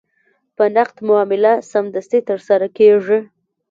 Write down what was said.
په نقد معامله سمدستي ترسره کېږي.